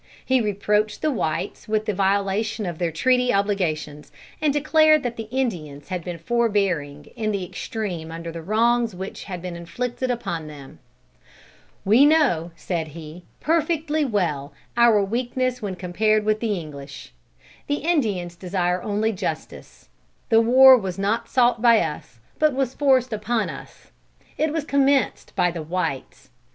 He reproached the whites with the violation of their treaty obligations, and declared that the Indians had been forbearing in the extreme under the wrongs which had been inflicted upon them. "We know," said he, "perfectly well, our weakness when compared with the English. The Indians desire only justice. The war was not sought by us, but was forced upon us. It was commenced by the whites.